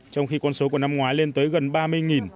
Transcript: trong khi con số của năm ngoái lên tới gần ba mươi